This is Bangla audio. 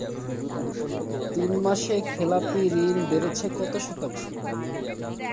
তিন মাসে খেলাপি ঋণ বেড়েছে কত শতাংশ?